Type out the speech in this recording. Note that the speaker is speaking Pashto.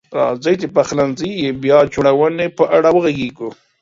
راځئ چې د پخلنځي بیا جوړونې په اړه وغږیږو.